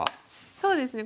そうですね。